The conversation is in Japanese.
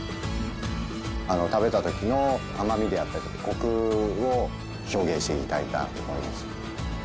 食べた時の甘みであったりとかコクを表現してみたいなと思います。